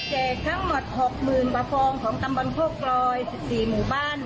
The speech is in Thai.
วันนี้เจจทั้งหมด๖๐๐๐๐ประฟองของตำบลโค้กกลอย๑๔หมู่บ้าน